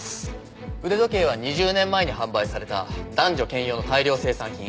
腕時計は２０年前に販売された男女兼用の大量生産品。